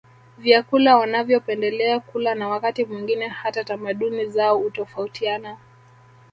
Vyakula wanavyopendelea kula na wakati mwingine hata tamaduni zao utofautiana